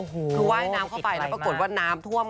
คือว่ายน้ำเข้าไปแล้วปรากฏว่าน้ำท่วม